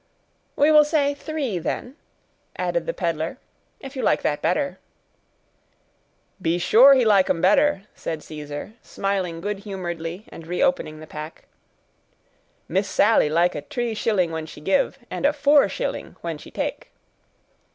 "We will say three, then," added the peddler, "if you like that better." "Be sure he like 'em better," said Caesar, smiling good humoredly, and reopening the pack; "Miss Sally like a t'ree shilling when she give, and a four shilling when she take."